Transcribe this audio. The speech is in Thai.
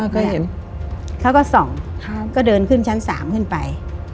ก็เห็นเขาก็ส่องก็เดินขึ้นชั้น๓ขึ้นไป